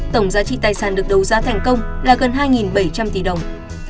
tổng giá trị tài sản được đấu giá thành công là gần hai bảy trăm linh tỷ đồng